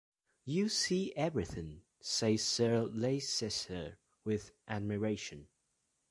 "You see everything," says Sir Leicester with admiration.